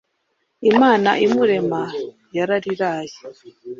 imana imurema yarariraye